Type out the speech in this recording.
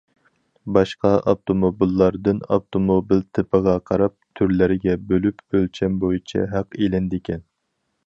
باشقا ئاپتوموبىللاردىن ئاپتوموبىل تىپىغا قاراپ تۈرلەرگە بۆلۈپ ئۆلچەم بويىچە ھەق ئېلىنىدىكەن.